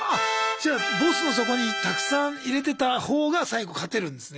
ボスのそこにたくさん入れてたほうが最後勝てるんですね